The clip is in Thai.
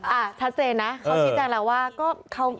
อ่าทัศนนะเขาคิดจังแล้วว่า